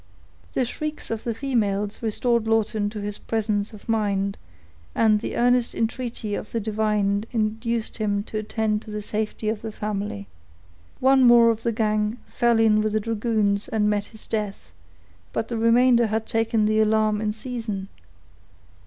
The shrieks of the females restored Lawton to his presence of mind, and the earnest entreaty of the divine induced him to attend to the safety of the family. One more of the gang fell in with the dragoons, and met his death; but the remainder had taken the alarm in season.